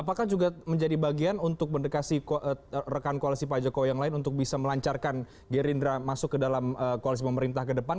apakah juga menjadi bagian untuk mendekati rekan koalisi pak jokowi yang lain untuk bisa melancarkan gerindra masuk ke dalam koalisi pemerintah ke depan